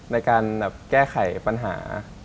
ในการแก้ไขปัญหา